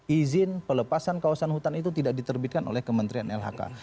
izin pelepasan kawasan hutan itu tidak diterbitkan oleh kementerian lhk